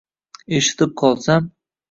eshitib qolsam